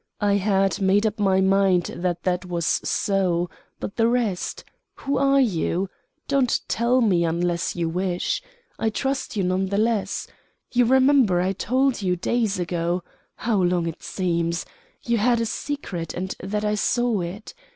I had made up my mind that that was so; but the rest? Who are you? Don't tell me unless you wish. I trust you none the less. You remember I told you days ago how long it seems you had a secret and that I saw it.